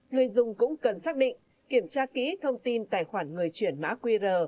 người dùng cũng cần xác định kiểm tra kỹ thông tin tài khoản người chuyển mã qr